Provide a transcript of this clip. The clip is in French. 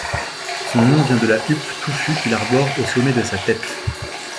Son nom vient de la huppe touffue qu'il arbore au sommet de sa tête.